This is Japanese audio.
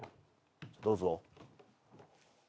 どうぞ。